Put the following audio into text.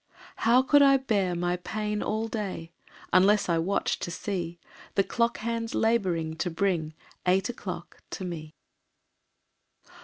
How could I bear my pain all day Unless I watched to see The clock hands laboring to bring Eight o'clock to me.